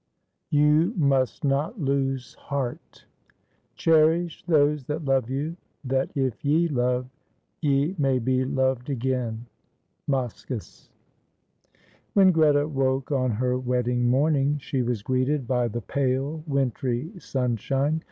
"YOU MUST NOT LOSE HEART." "Cherish those that love you; that if ye love, ye may be loved again." Moschus. When Greta woke on her wedding morning, she was greeted by the pale wintry sunshine.